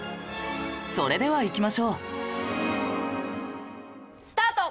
それではいきましょうスタート！